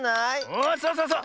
おそうそうそう！